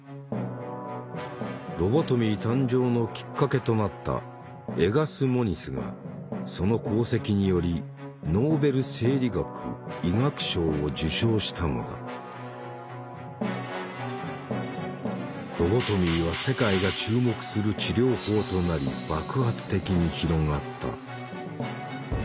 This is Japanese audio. ロボトミー誕生のきっかけとなったエガス・モニスがその功績によりロボトミーは世界が注目する治療法となり爆発的に広がった。